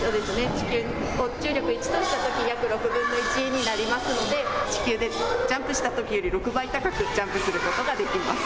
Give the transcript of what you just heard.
地球の重力を１としたとき約６分の１になりますので地球でジャンプしたときより６倍高くジャンプすることができます。